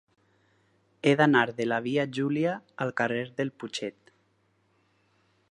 He d'anar de la via Júlia al carrer del Putxet.